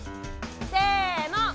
せの！